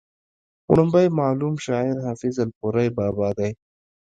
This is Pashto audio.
وړومبی معلوم شاعر حافظ الپورۍ بابا دی